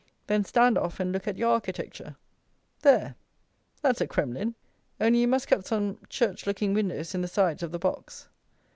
Then stand off and look at your architecture. There! That's "a Kremlin"! Only you must cut some church looking windows in the sides of the box.